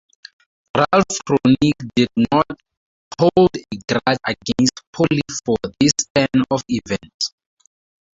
Ralph Kronig did not hold a grudge against Pauli for this turn of events.